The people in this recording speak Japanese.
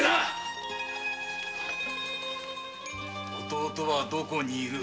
弟はどこにいる？